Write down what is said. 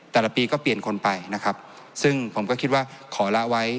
แต่ละปีก็เปลี่ยนคนไปนะครับซึ่งผมก็คิดว่าขอละไว้